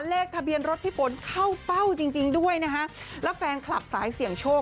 แล้วแฟนคลับสายเสี่ยงโชค